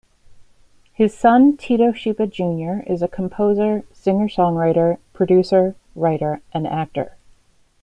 His son Tito Schipa Junior is a composer, singer-songwriter, producer, writer and actor.